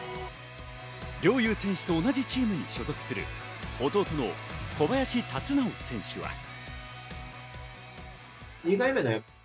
陵侑選手と同じチームに所属する弟の小林龍尚選手は。